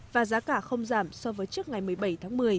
và giá cả không giảm so với trước ngày một mươi bảy tháng một mươi